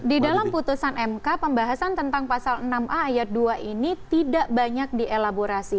di dalam putusan mk pembahasan tentang pasal enam a ayat dua ini tidak banyak dielaborasi